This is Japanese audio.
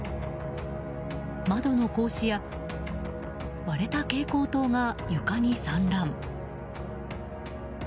窓の格子や割れた蛍光灯が床に散乱。